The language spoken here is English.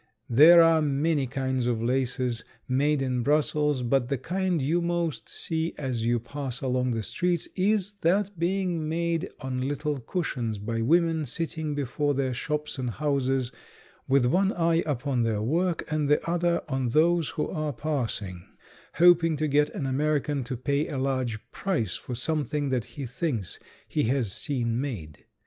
There are many kinds of laces made in Brussels, but the kind you most see as you pass along the streets is that being made on little cushions by women sitting before their shops and houses with one eye upon their work and the other on those who are passing, hoping to get an American to pay a large price for something that he thinks he has seen made.